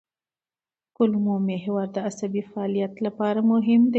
کولمو محور د عصبي فعالیت لپاره مهم دی.